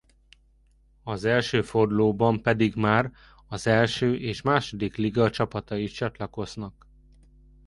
Az első fordulóban pedig már az első és második liga csapatai is csatlakoznak.